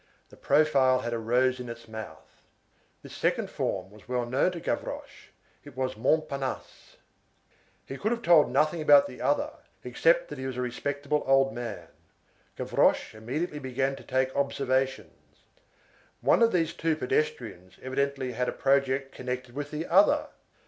The profile had a rose in its mouth. This second form was well known to Gavroche; it was Montparnasse. He could have told nothing about the other, except that he was a respectable old man. Gavroche immediately began to take observations. One of these two pedestrians evidently had a project connected with the other.